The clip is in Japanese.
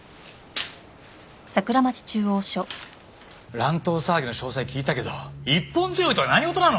乱闘騒ぎの詳細聞いたけど一本背負いとは何事なの！？